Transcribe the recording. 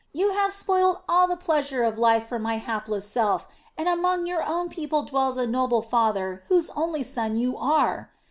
You have spoiled all the pleasure of life for my hapless self, and among your own people dwells a noble father whose only son you are.